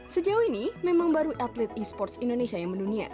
sejauh ini memang baru atlet e sports indonesia yang mendunia